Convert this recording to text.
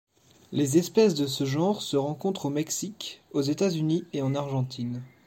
Les espèces de ce genre se rencontrent au Mexique, aux États-Unis et en Argentine.